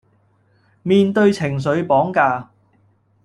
面對情緒綁架